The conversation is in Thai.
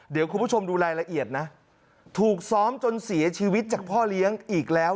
เดี๋ยวคุณผู้ชมดูรายละเอียดนะถูกซ้อมจนเสียชีวิตจากพ่อเลี้ยงอีกแล้ว